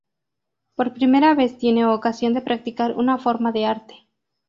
Por primera vez tiene ocasión de practicar una forma de arte.